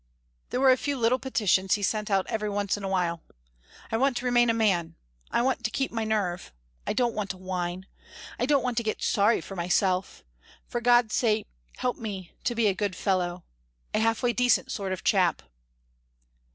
There were a few little petitions he sent out every once in a while. "I want to remain a man! I want to keep my nerve. I don't want to whine. I don't want to get sorry for myself. For God's sake help me to be a good fellow a half way decent sort of chap!"